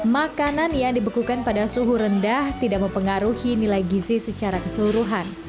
makanan yang dibekukan pada suhu rendah tidak mempengaruhi nilai gizi secara keseluruhan